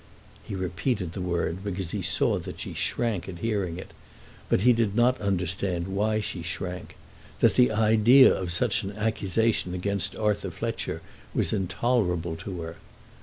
He repeated the word because he saw that she shrank at hearing it; but he did not understand why she shrank, that the idea of such an accusation against Arthur Fletcher was intolerable to her.